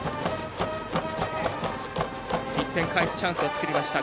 １点返すチャンスを作りました。